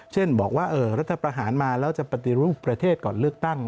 เช่นบอกว่ารัฐประหารมาแล้วจะปฏิรูปประเทศก่อนเลือกตั้ง